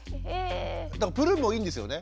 プルーンもいいんですよね？